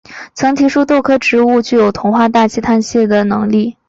曾提出豆科植物具有同化大气氮气的能力。